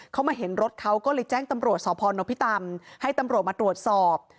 เขามาเห็นรถเขาก็เลยแจ้งตำรวจสพนพิตำให้ตำรวจมาตรวจสอบ